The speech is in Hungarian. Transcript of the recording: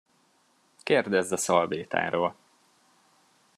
Kérdezd a szalvétáról.